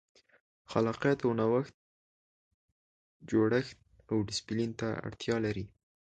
خلاقیت او نوښت جوړښت او ډیسپلین ته اړتیا لري.